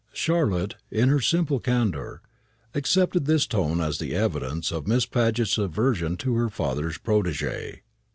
Charlotte, in her simple candour, accepted this tone as the evidence of Miss Paget's aversion to her father's protégé.